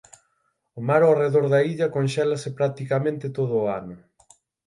O mar ao redor da illa conxélase practicamente todo o ano.